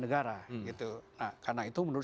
negara gitu nah karena itu menurut